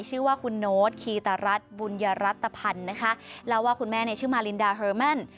ชื่อว่าคุณโน้ตคีตรัฐบุญยรัตภัณฑ์นะคะเล่าว่าคุณแม่เนี่ยชื่อมารินดาเฮอร์แมน